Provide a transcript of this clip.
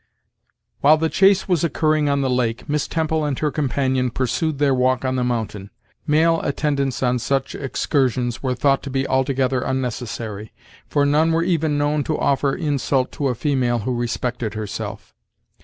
While the chase was occurring on the lake, Miss Temple and her companion pursued their walk on the mountain. Male attendants on such excursions were thought to be altogether unnecessary, for none were even known to offer insult to a female who respected herself.